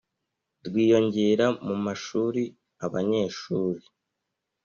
rwiyongera mu mashuri Abanyeshuri